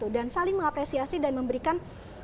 dan saling mengapresiasi dan memberikan